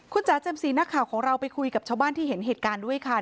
คุณจ๋าแจ่มสีนักข่าวของเราไปคุยกับชาวบ้านที่เห็นเหตุการณ์ด้วยค่ะ